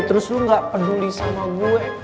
terus lu gak peduli sama gue